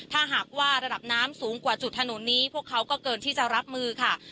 ถ้าหากว่าระดับน้ำสูงกว่าจุดถนนนี้พวกเขาก็เกินที่จะรับมือค่ะ